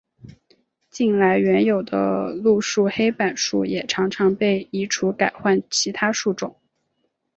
近来原有的路树黑板树也常常被移除改换其他树种。